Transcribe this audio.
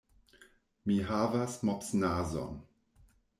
Mi havas mopsnazon.